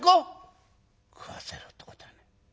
「食わせるってことはない。